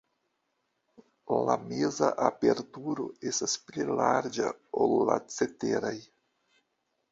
La meza aperturo estas pli larĝa, ol la ceteraj.